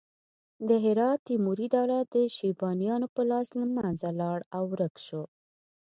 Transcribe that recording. د هرات تیموري دولت د شیبانیانو په لاس له منځه لاړ او ورک شو.